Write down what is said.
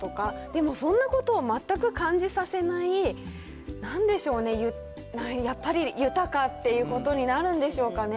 でもそんなことを全く感じさせない、なんでしょうね、やっぱり豊かっていうことになるんでしょうかね。